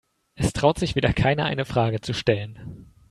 Es traut sich wieder keiner, eine Frage zu stellen.